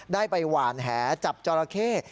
ได้ไปหวานแหจับจอราเข้